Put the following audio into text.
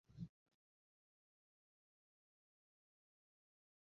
ยกตัวอย่างของนครบอสตัน